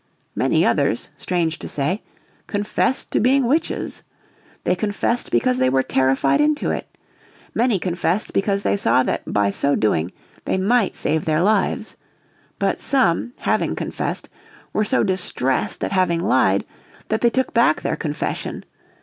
Many others, strange to say, confessed to being witches. They confessed because they were terrified into it. Many confessed because they saw that by so doing they might save their lives. But some, having confessed, were so distressed at having lied that they took back their confession.